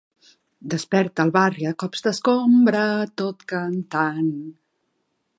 Desperta el barri a cops d'escombra tot cantant